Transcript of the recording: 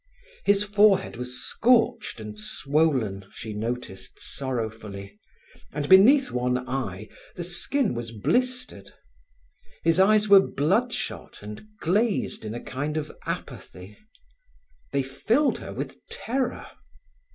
His forehead was scorched and swollen, she noticed sorrowfully, and beneath one eye the skin was blistered. His eyes were bloodshot and glazed in a kind of apathy; they filled her with terror.